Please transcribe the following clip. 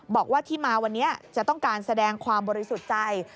บอกว่าที่มาวันนี้จะต้องการแสดงความบริสุทธิ์ใจ